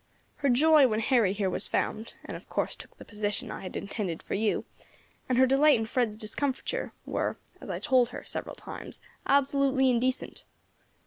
Her joy when Harry here was found, and of course took the position I had intended for you, and her delight in Fred's discomfiture, were, as I told her several times, absolutely indecent.